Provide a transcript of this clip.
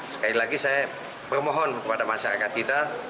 sekali lagi saya bermohon kepada masyarakat kita